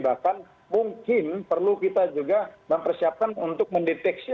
bahkan mungkin perlu kita juga mempersiapkan untuk mendeteksi